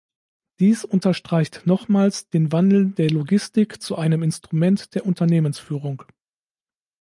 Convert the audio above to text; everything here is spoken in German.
Dies unterstreicht nochmals den Wandel der Logistik zu einem Instrument der Unternehmensführung.